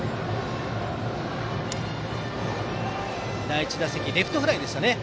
第１打席はレフトフライでしたね。